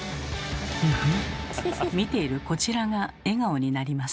フフッ見ているこちらが笑顔になります。